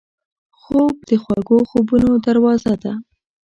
خوب د خوږو خوبونو دروازه ده